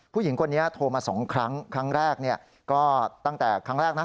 ผู้หญิงคนนี้โทรมาสองครั้งครั้งแรกเนี่ยก็ตั้งแต่ครั้งแรกนะ